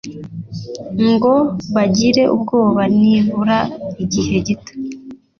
ngo bagire ubwoba nibura igihe gito